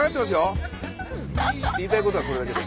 言いたいことはそれだけで。